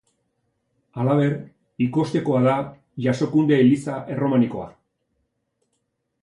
Halaber, ikustekoa da Jasokunde eliza erromanikoa.